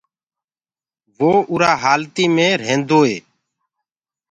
وو اُرآ هآلتي مي ريهندوئي